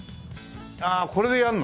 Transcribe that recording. ああこれでやるの？